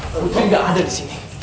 putri gak ada disini